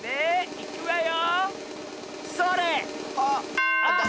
いくわよ！